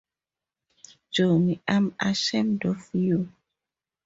Jonny, I'm ashamed of you!